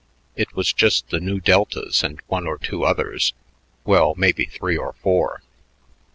It was just the Nu Deltas and one or two others; well, maybe three or four.